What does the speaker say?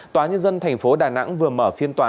tòa nhân dân thành phố đà nẵng vừa mở phiên tòa